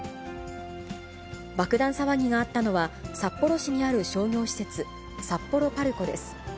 爆弾騒ぎがあったのは、札幌市にある商業施設、札幌パルコです。